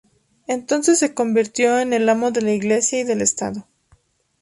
Entonces se convirtió en el amo de la iglesia y del estado.